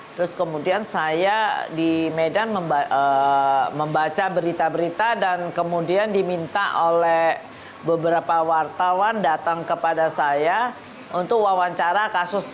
terus kemudian saya di medan membaca berita berita dan kemudian diminta oleh beberapa wartawan datang kepada saya untuk wawancara kasus